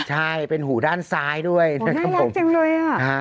ใช่เป็นหูด้านซ้ายด้วยน่ารักจังเลยอะ